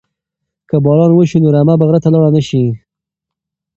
که باران وشي نو رمه به غره ته لاړه نشي.